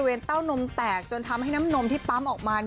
เต้านมแตกจนทำให้น้ำนมที่ปั๊มออกมา